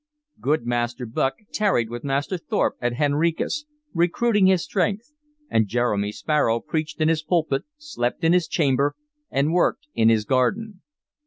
Good Master Bucke tarried with Master Thorpe at Henricus, recruiting his strength, and Jeremy Sparrow preached in his pulpit, slept in his chamber, and worked in his garden.